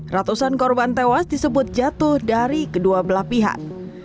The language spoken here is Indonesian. ratusan korban tewas disebut jatuh dari kedua belah pihak